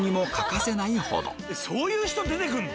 そういう人出て来んの？